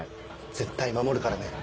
絶対守るからね。